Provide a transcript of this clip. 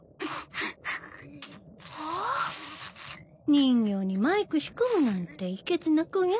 人形にマイク仕込むなんていけずな子や。